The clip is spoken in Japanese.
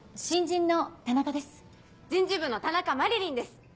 人事部の田中麻理鈴です。